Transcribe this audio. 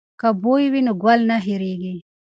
که بوی وي نو ګل نه هیرېږي.